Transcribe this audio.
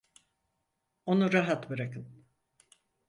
Onu rahat bırakın!